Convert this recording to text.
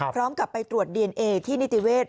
พร้อมกับไปตรวจดีเอนเอที่นิติเวศ